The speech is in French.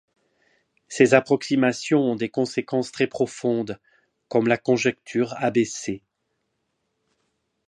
Ces approximations ont des conséquences très profondes, comme la conjecture abc.